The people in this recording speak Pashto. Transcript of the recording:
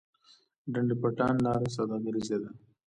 ډنډ پټان لاره سوداګریزه ده؟